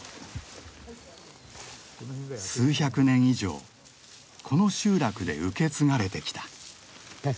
数百年以上この集落で受け継がれてきた。